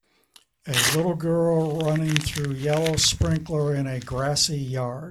A little girl running through yellow sprinkler in a grassy yard